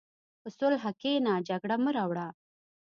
په صلح کښېنه، جګړه مه راوړه.